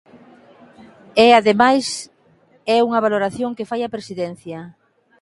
E ademais é unha valoración que fai a Presidencia.